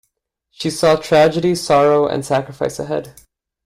She saw tragedy, sorrow, and sacrifice ahead.